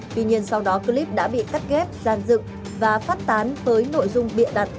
tuy nhiên sau đó clip đã bị cắt ghép giàn dự và phát tán với nội dung bịa đặt